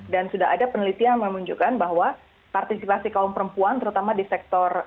dan sudah ada penelitian yang menunjukkan bahwa partisipasi kaum perempuan terutama di sektor ekonomi